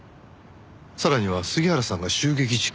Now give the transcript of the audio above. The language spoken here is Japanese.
さらには杉原さんが襲撃事件